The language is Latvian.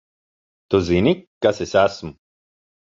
Tu zini, kas es esmu?